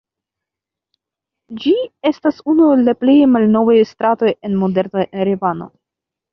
Ĝi estas unu el la plej malnovaj stratoj en moderna Erevano.